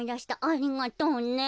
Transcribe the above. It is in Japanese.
ありがとうね。